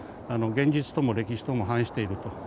現実とも歴史とも反していると。